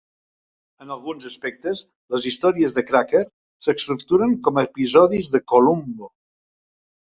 En alguns aspectes, les històries de "Cracker" s'estructuren com a episodis de "Columbo".